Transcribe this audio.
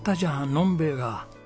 飲んべえが。